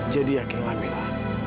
jadi yakinlah mila